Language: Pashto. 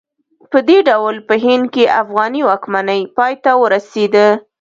په دې ډول په هند کې افغاني واکمنۍ پای ته ورسېده.